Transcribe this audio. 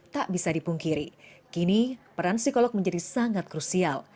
tak bisa dipungkiri kini peran psikolog menjadi sangat krusial